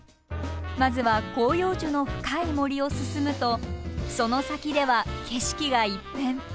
まずは広葉樹の深い森を進むとその先では景色が一変。